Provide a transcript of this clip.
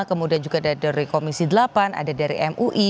kemudian juga ada dari komisi delapan ada dari mui